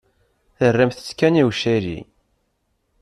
Terramt-tt kan i ucali.